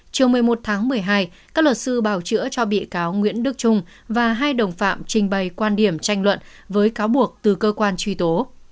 chiều một mươi một tháng một mươi hai các luật sư bảo chữa cho bị cáo nguyễn đức trung và hai đồng phạm trình bày quan điểm tranh luận với cáo buộc từ cơ quan truy tố